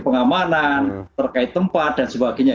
pengamanan terkait tempat dan sebagainya